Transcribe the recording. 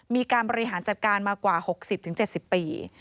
มีการบริหารจัดการมากว่า๖๐๗๐ปี